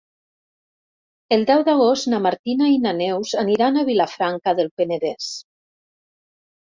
El deu d'agost na Martina i na Neus aniran a Vilafranca del Penedès.